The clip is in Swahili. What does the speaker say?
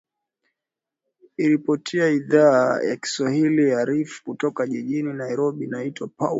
iripotia idhaa ya kiswahili ya rfi kutoka jijini nairobi naitwa paulo